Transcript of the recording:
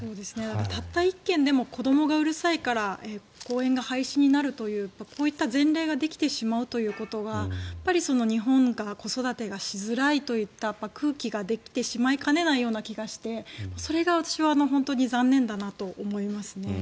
たった１軒でも子どもがうるさいから公園が廃止になるというこういった前例ができてしまうということがやっぱり日本が子育てがしづらいといった空気ができてしまいかねない気がしてそれが私は本当に残念だなと思いますね。